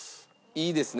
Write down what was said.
いいですね？